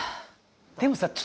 でもさ。